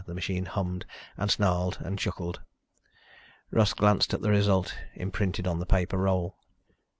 The machine hummed and snarled and chuckled. Russ glanced at the result imprinted on the paper roll.